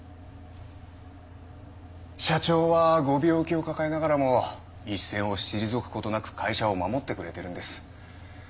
社長はご病気を抱えながらも一線を退く事なく会社を守ってくれているんです。